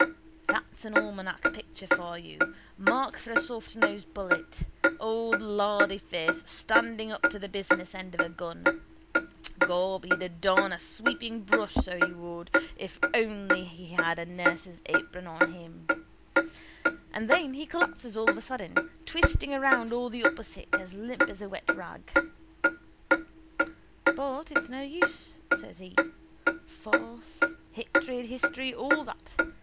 That's an almanac picture for you. Mark for a softnosed bullet. Old lardyface standing up to the business end of a gun. Gob, he'd adorn a sweepingbrush, so he would, if he only had a nurse's apron on him. And then he collapses all of a sudden, twisting around all the opposite, as limp as a wet rag. —But it's no use, says he. Force, hatred, history, all that.